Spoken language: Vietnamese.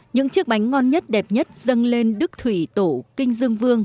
những chiếc bánh ngon nhất đẹp nhất dâng lên đức thủy tổ kinh dương vương